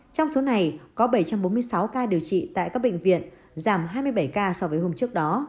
trong số này có bảy trăm bốn mươi sáu ca điều trị tại các bệnh viện giảm hai mươi bảy ca so với hôm trước đó